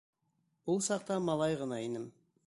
Ул саҡта малай ғына инем.